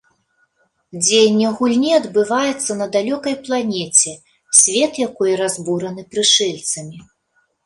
Дзеянне гульні адбываецца на далёкай планеце, свет якой разбураны прышэльцамі.